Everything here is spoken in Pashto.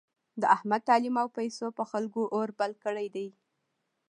د احمد تعلیم او پیسو په خلکو اور بل کړی دی.